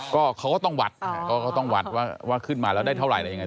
ก็เขาก็ต้องวัดว่าขึ้นมาแล้วได้เท่าไร